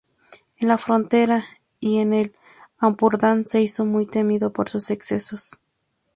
En la frontera y en el Ampurdán se hizo muy temido por sus excesos.